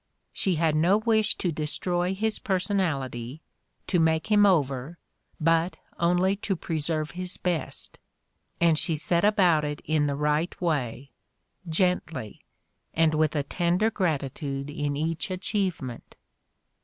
She had no wish to destroy his personality, to make him over, but only to preserve his best, and she set about it in the right W£y — gently, and with a tender gratitude in each achievement."